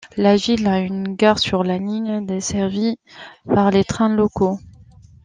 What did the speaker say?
La ville a une gare sur la ligne, desservie par les trains locaux.